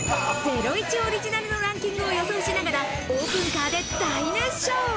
『ゼロイチ』オリジナルのランキングを予想しながら、オープンカーで大熱唱。